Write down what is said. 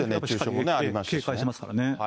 警戒してますからね。